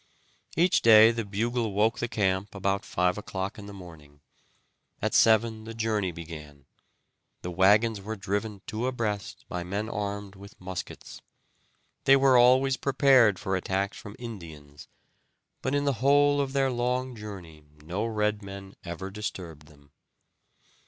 Each day the bugle woke the camp about five o'clock in the morning. At seven the journey began. The wagons were driven two abreast by men armed with muskets. They were always prepared for attacks from Indians, but in the whole of their long journey no red men ever disturbed them.